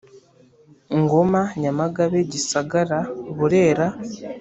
Ngoma Nyamagabe Gisagara Burera